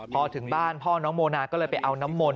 พอถึงบ้านพ่อน้องโมนาก็เลยไปเอาน้ำมนต